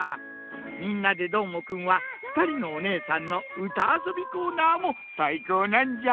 「みんなＤＥどーもくん！」はふたりのおねえさんのうたあそびコーナーもさいこうなんじゃ。